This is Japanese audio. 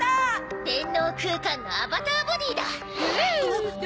電脳空間のアバターボディーだ！